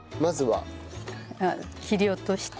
切り落として。